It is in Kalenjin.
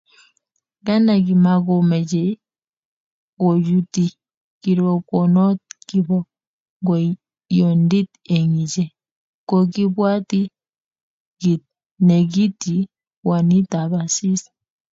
Nganda kimakomochei kochutyi kirwokonoto kibo ngoiyondit eng iche, ko kiibwatyi kit nekiityi kwanitab Asisi